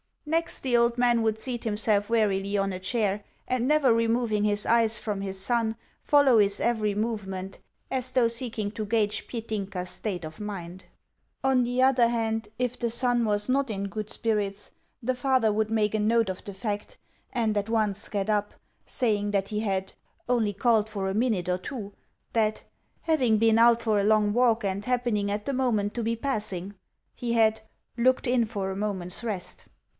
Next, the old man would seat himself warily on a chair, and, never removing his eyes from his son, follow his every movement, as though seeking to gauge Petinka's state of mind. On the other hand, if the son was not in good spirits, the father would make a note of the fact, and at once get up, saying that he had "only called for a minute or two," that, "having been out for a long walk, and happening at the moment to be passing," he had "looked in for a moment's rest."